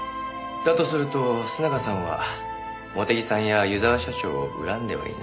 だとすると須永さんは茂手木さんや湯沢社長を恨んではいない。